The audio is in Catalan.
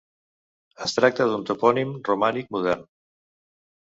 Es tracta d'un topònim romànic modern.